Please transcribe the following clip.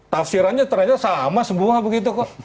tafsirannya ternyata sama semua begitu kok